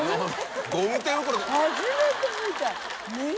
初めて見た。